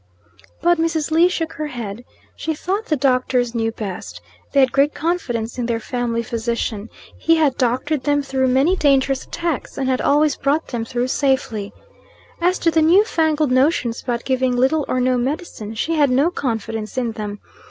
But Mrs. Lee shook her head. She thought the doctors knew best. They had great confidence in their family physician. He had doctored them through many dangerous attacks, and had always brought them through safely. As to the new fangled notions about giving little or no medicine, she had no confidence in them.